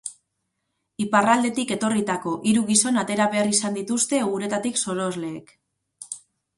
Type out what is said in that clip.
Iparraldetik etorritako hiru gizon atera behar izan dituzte uretatik sorosleek.